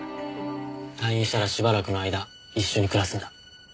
退院したらしばらくの間一緒に暮らすんだ。